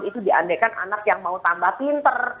itu diandaikan anak yang mau tambah pintar